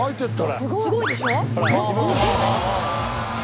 「すごいでしょ？」